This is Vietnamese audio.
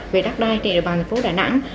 về đất đai trên địa bàn thành phố đà nẵng